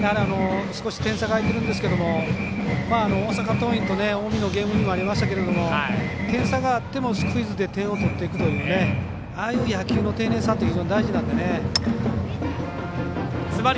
少し点差が開いてるんですけど大阪桐蔭と近江のゲームにもありましたけど点差があってもスクイズで点を取っていくというああいう野球の丁寧さって非常に大事なんでね。